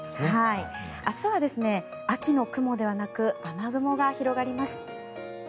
明日は秋の雲ではなく雨雲が広がります。